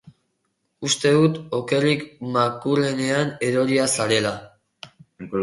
Uste dut okerrik makurrenean eroria zarela.